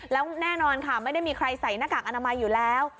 แล้วแน่นอนค่ะไม่ได้มีใครใส่หน้ากากอนามัยอยู่แล้ว